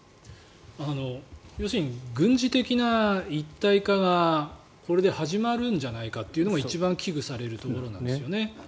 軍事的な一体化がこれで始まるんじゃないかというのが一番危惧されるところなんですよね。